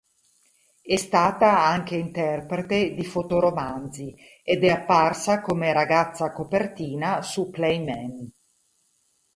È stata anche interprete di fotoromanzi, ed è apparsa come ragazza copertina su "Playmen".